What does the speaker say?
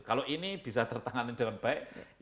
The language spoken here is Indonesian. kalau ini bisa tertangani dengan baik